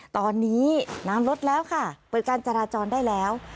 ตอนนี้น้ำลดแล้วค่ะเปิดการจราจรได้แล้ว